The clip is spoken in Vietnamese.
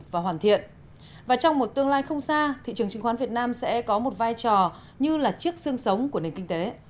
và trong một tương lai không xa thị trường chứng khoán việt nam sẽ có một vai trò như là chiếc xương sống của nền kinh tế